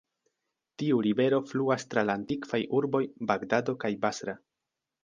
Tiu rivero fluas tra la antikvaj urboj Bagdado kaj Basra.